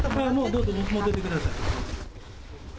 どうぞ持っていってください。